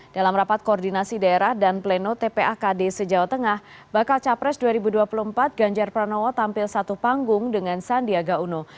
dalam rapat koordinasi daerah dan pleno tpa kd se jawa tengah bakal capres dua ribu dua puluh empat ganjar pranowo tampil satu panggung dengan sandiaga uno